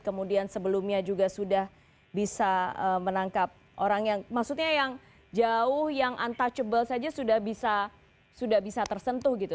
kemudian sebelumnya juga sudah bisa menangkap orang yang maksudnya yang jauh yang untouchable saja sudah bisa tersentuh gitu